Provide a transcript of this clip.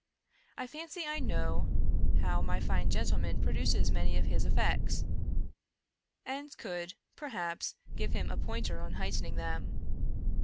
I fancy I know how my fine gentleman produces many of his efifects, and could, perhaps, give him a pointer on heightening them.